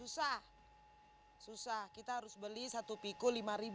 susah kita harus beli satu piku rp lima